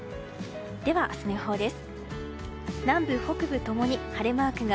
では明日の予報です。